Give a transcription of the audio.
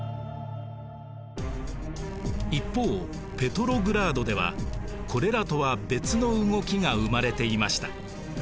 一方ペトログラードではこれらとは別の動きが生まれていました。